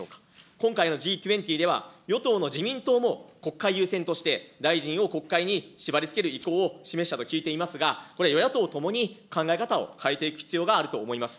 今回のＧ２０では、与党の自民党も国会優先として、大臣を国会に縛りつける意向を示したと聞いていますが、これ、与野党ともに考え方を変えていく必要があると思います。